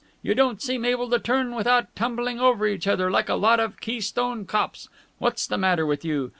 You don't seem able to turn without tumbling over each other like a lot of Keystone Kops! What's the matter with you?